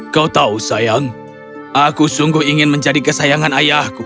kau tahu sayang aku sungguh ingin menjadi kesayangan ayahku